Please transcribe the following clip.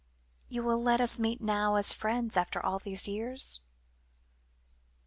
You will let us meet now as friends after all these years?"